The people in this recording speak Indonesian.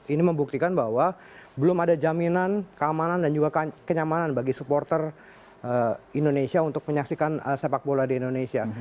ini membuktikan bahwa belum ada jaminan keamanan dan juga kenyamanan bagi supporter indonesia untuk menyaksikan sepak bola di indonesia